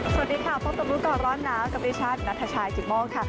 สวัสดีค่ะพบกับลูกก่อนร้อนน้ำกับอิชชาติณทชายจิตโมกค่ะ